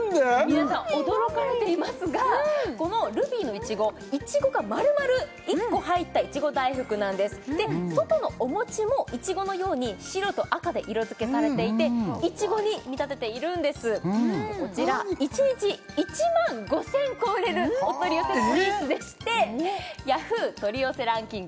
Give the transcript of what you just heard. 皆さん驚かれていますがこのルビーのいちごいちごが丸々１個入ったいちご大福なんです外のお餅もいちごのように白と赤で色づけされていていちごに見立てているんですこちら１日１万５０００個売れるお取り寄せスイーツでしてＹａｈｏｏ！お取り寄せランキング